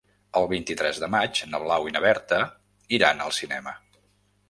El vint-i-tres de maig na Blau i na Berta iran al cinema.